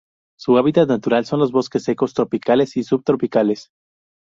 Su hábitat natural son los bosque secos tropicales y subtropicales.